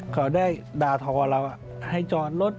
เขาได้ด่าทอเราให้จอดรถ